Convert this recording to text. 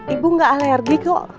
ibu gak alergi kok